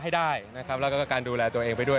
ให้ได้นะครับแล้วก็การดูแลตัวเองไปด้วย